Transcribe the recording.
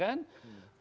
petahana itu bisa